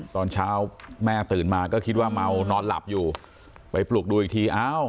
ตอนเช้าแม่ตื่นมาก็คิดว่าเมานอนหลับอยู่ไปปลุกดูอีกทีอ้าว